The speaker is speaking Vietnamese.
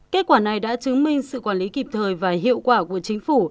kết quả này đã chứng minh sự quản lý kịp thời và hiệu quả của chính phủ